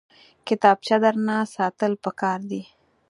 کتابچه درنه ساتل پکار دي